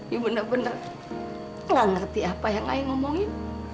you bener bener gak ngerti apa yang ai ngomongin